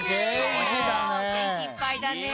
げんきいっぱいだね。